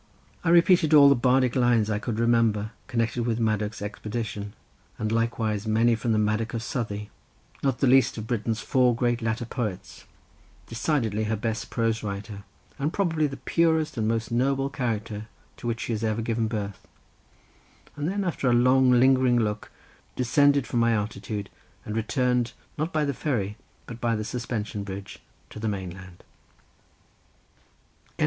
I repeated all the Bardic lines I could remember connected with Madoc's expedition, and likewise many from the Madoc of Southey, not the least of Britain's four great latter poets, decidedly her best prose writer, and probably the purest and most noble character to which she has ever given birth; and then, after a long, lingering look, descended from my altitude, and returned, not by the ferry, but by the suspension bridge to the mainland.